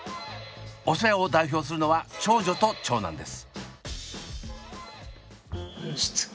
お世話を代表するのは長女と長男です。